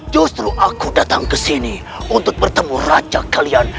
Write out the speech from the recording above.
justru aku datang ke sini untuk bertemu raja kalian